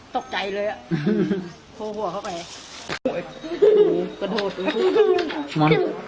แต่มัน